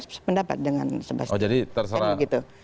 saya pendapat dengan sebastian